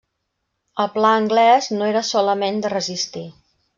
El pla anglès no era solament de resistir.